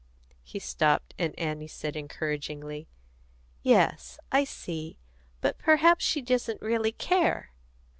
He stopped, and Annie said encouragingly: "Yes, I see. But perhaps she doesn't really care."